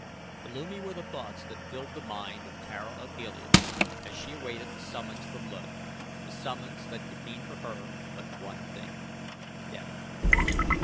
Gloomy were the thoughts that filled the mind of Tara of Helium as she awaited the summons from Luud the summons that could mean for her but one thing; death.